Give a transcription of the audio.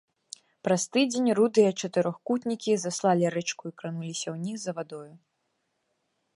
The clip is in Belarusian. Праз тыдзень рудыя чатырохкутнікі заслалі рэчку і крануліся ўніз за вадою.